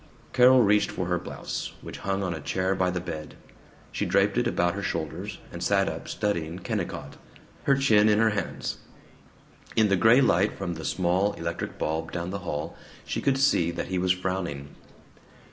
Carol reached for her blouse, which hung on a chair by the bed. She draped it about her shoulders, and sat up studying Kennicott, her chin in her hands. In the gray light from the small electric bulb down the hall she could see that he was frowning.